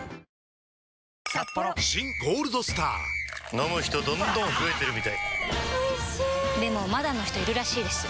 飲む人どんどん増えてるみたいおいしでもまだの人いるらしいですよ